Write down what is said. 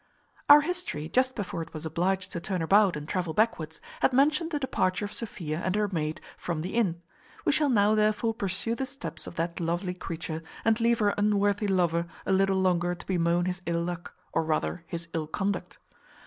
Our history, just before it was obliged to turn about and travel backwards, had mentioned the departure of Sophia and her maid from the inn; we shall now therefore pursue the steps of that lovely creature, and leave her unworthy lover a little longer to bemoan his ill luck, or rather his ill conduct.